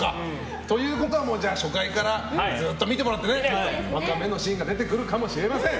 ということは初回からずっと見てもらってワカメのシーンが出てくるかもしれません。